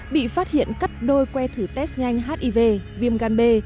bị phát hiện cắt đôi que thử test nhanh hiv viêm gan b